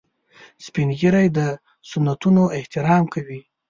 سپین ږیری د سنتونو احترام کوي